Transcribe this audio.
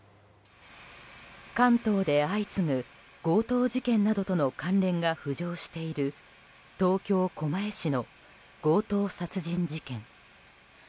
関東で相次ぐ強盗事件などとの関連が浮上している東京・狛江市の強盗殺人事件。